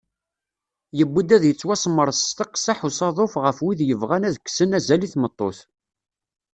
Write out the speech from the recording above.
Yewwi-d ad yettwasemres s teqseḥ usaḍuf ɣef wid yebɣan ad kksen azal i tmeṭṭut.